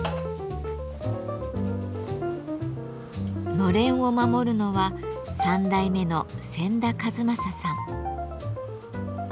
のれんを守るのは３代目の仙田和雅さん。